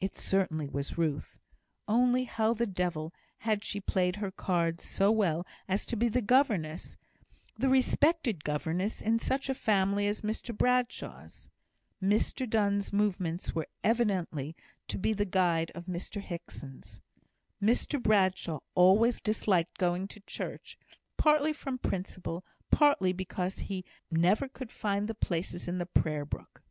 It certainly was Ruth; only how the devil had she played her cards so well as to be the governess the respected governess, in such a family as Mr Bradshaw's? Mr Donne's movements were evidently to be the guide of Mr Hickson's. Mr Bradshaw always disliked going to church, partly from principle, partly because he never could find the places in the Prayer book.